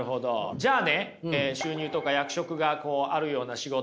じゃあね収入とか役職があるような仕事